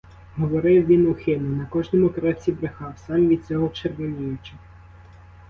Говорив він ухильно, на кожному кроці брехав, сам від цього червоніючи.